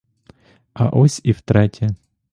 А ось і втретє.